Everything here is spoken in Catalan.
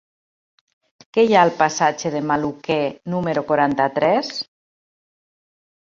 Què hi ha al passatge de Maluquer número quaranta-tres?